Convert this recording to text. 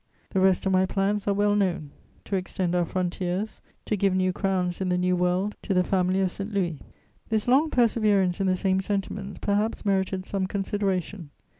The rest of my plans are well known: to extend our frontiers, to give new crowns in the New World to the family of St. Louis. [Sidenote: My difference with him.] This long perseverance in the same sentiments perhaps merited some consideration.